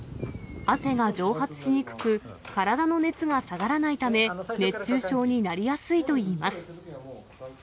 汗が蒸発しにくく、体の熱が下がらないため、熱中症になりやすいといいます。